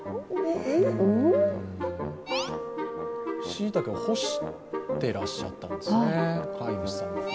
しいたけを干してらっしゃったんですね、飼い主さん。